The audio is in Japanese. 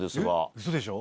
ウソでしょ？